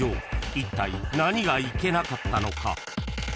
［いったい何がいけなかったのか？］